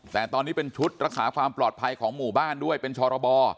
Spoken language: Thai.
แต่ตอนนี้เป็นชุดรักษาความปลอดภัยของหมู่บ้านด้วยเป็นชรบ